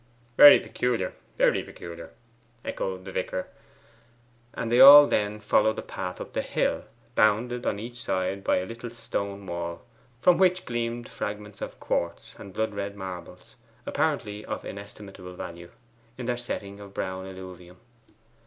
'Very peculiar, very peculiar,' echoed the vicar; and they all then followed the path up the hill, bounded on each side by a little stone wall, from which gleamed fragments of quartz and blood red marbles, apparently of inestimable value, in their setting of brown alluvium.